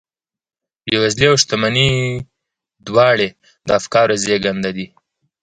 بېوزلي او شتمني دواړې د افکارو زېږنده دي.